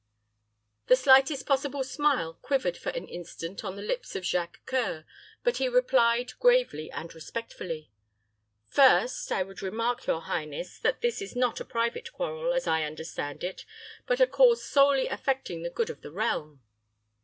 The slightest possible smile quivered for an instant on the lips of Jacques C[oe]ur, but he replied, gravely and respectfully, "First, I would remark, your highness, that this is not a private quarrel, as I understand it, but a cause solely affecting the good of the realm."